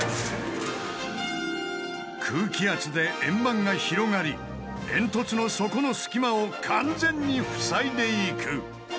空気圧で円盤が広がり煙突の底の隙間を完全に塞いでいく。